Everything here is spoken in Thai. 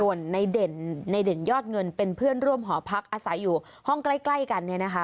ส่วนในเด่นยอดเงินเป็นเพื่อนร่วมหอพักอาศัยอยู่ห้องใกล้กันเนี่ยนะคะ